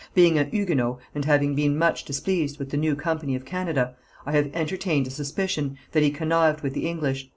Being a Huguenot, and having been much displeased with the new company of Canada, I have entertained a suspicion that he connived with the English.